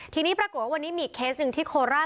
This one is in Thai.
ทีนี้ปรากฏว่าวันนี้มีอีกเคสหนึ่งที่โคราช